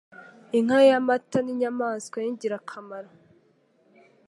Inka y'amata ni inyamaswa y'ingirakamaro.